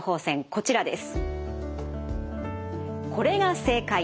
こちらです。